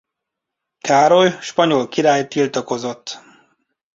Károly spanyol király tiltakozott.